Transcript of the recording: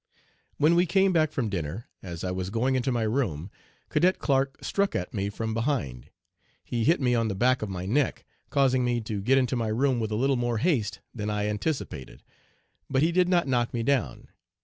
"When we came back from dinner, as I was going into my room, Cadet Clark struck at me from behind. He hit me on the back of my neck, causing me to get into my room with a little more haste than I anticipated, but he did not knock me down.